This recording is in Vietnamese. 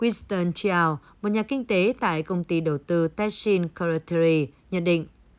winston chiao một nhà kinh tế tại công ty đầu tư tessin corridor nhận định